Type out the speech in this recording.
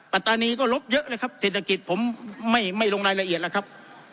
ปัตตานีก็ลบเยอะเลยครับเศรษฐกิจผมไม่ลงรายละเอียดแล้วครับ